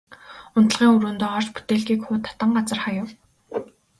Унтлагын өрөөндөө орж бүтээлгийг хуу татан газар хаяв.